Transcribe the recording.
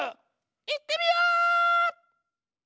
いってみよう！